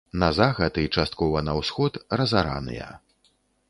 На захад і часткова на ўсход разараныя.